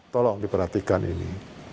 tolong diperhatikan ini